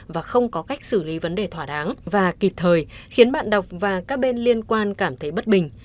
và không có cách xử lý vấn đề thỏa đáng và kịp thời khiến bạn đọc và các bên liên quan cảm thấy bất bình